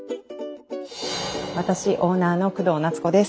私オーナーの工藤夏子です。